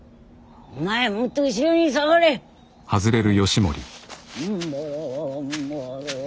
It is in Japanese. お前もっと後ろに下がれ。